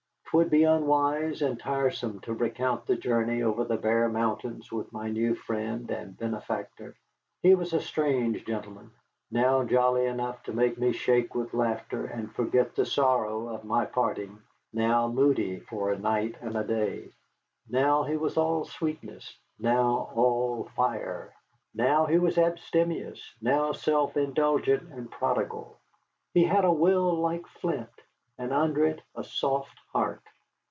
'Twould be unwise and tiresome to recount the journey over the bare mountains with my new friend and benefactor. He was a strange gentleman, now jolly enough to make me shake with laughter and forget the sorrow of my parting, now moody for a night and a day; now he was all sweetness, now all fire; now he was abstemious, now self indulgent and prodigal. He had a will like flint, and under it a soft heart.